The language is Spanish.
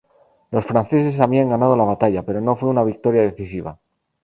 Los franceses habían ganado la batalla, pero no fue una victoria decisiva.